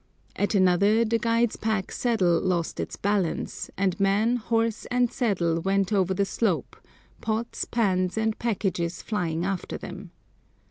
At another the guide's pack saddle lost its balance, and man, horse, and saddle went over the slope, pots, pans, and packages flying after them.